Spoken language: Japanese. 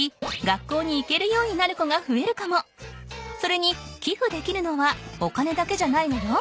それにきふできるのはお金だけじゃないのよ。